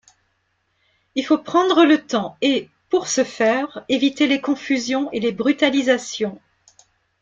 Il faut prendre le temps et, pour ce faire, éviter les confusions et les brutalisations.